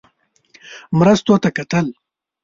مرستو ته کتل.